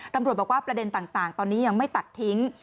ตำรวจบอกว่าประเด็นต่างตอนนี้ยังไม่ตัดทิ้ง